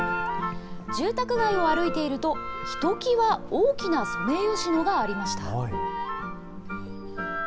住宅街を歩いていると、ひときわ大きなソメイヨシノがありました。